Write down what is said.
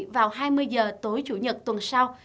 vào hai mươi h tối chủ nhật tuần sau